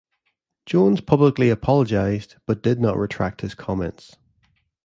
Jones publicly apologized, but did not retract his comments.